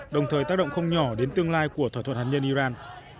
đồng thời tác động không nhỏ đến tương lai của thỏa thuận hạt nhân iran